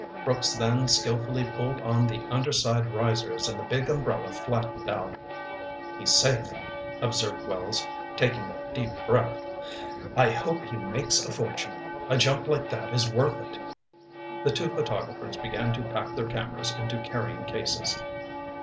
Brooks then skilfully pulled on the underside risers and the big umbrella flattened out. "He's safe," observed Wells, taking a deep breath. "I hope he makes a fortune. A jump like that is worth it." The two photographers began to pack their cameras into carrying cases.